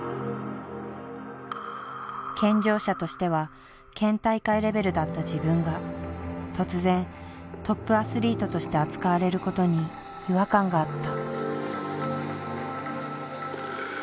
健常者としては県大会レベルだった自分が突然トップアスリートとして扱われることに違和感があった。